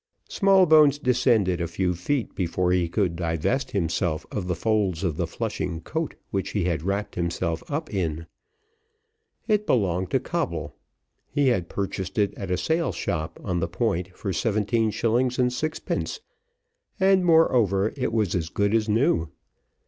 Smallbones descended a few feet before he could divest himself of the folds of the Flustering coat which he had wrapped himself up in. It belonged to Coble, he had purchased it at a sale shop on the Point for seventeen shillings and sixpence, and, moreover, it was as good as new.